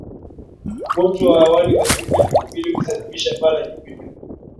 Moto wa awali wa siku ya Jumapili ulisababisha paa la jengo jipya